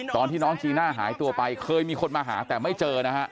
ตอนที่น้องจีน่าหายตัวไปเคยมีคนมาหาแต่ไม่เจอนะฮะ